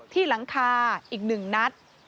หลังคาอีก๑นัด